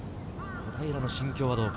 小平の心境はどうか。